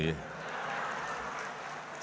saya sudah berada di ruangan ini